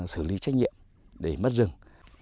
xử lý trách nhiệm để mất rừng